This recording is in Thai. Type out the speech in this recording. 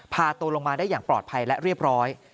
พาตัวลงมาได้อย่างปลอดภัยและเรียบร้อย